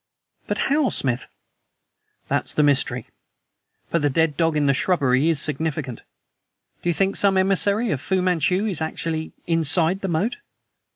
"But how, Smith?" "That's the mystery. But the dead dog in the shrubbery is significant." "Do you think some emissary of Fu Manchu is actually inside the moat?"